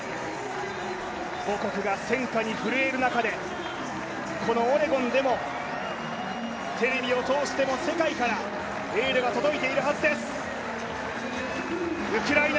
母国が戦火に震える中で、このオレゴンでもテレビを通しても世界からエールは届いているはずです。